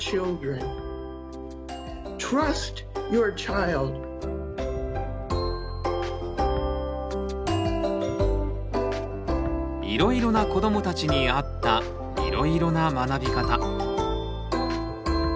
いろいろな子どもたちに合ったいろいろな学び方。